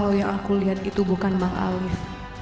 kalau yang aku lihat itu bukan bang alif